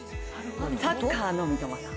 サッカーの三笘さん